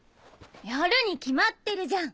やるに決まってるじゃん！